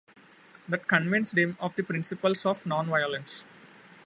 That convinced him of the principles of nonviolence.